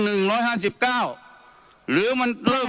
หรือมันเริ่มจากหลังจากหนึ่งหกหนึ่ง